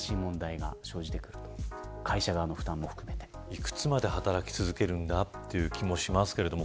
いくつまで働き続けるんだという気もしますけれども。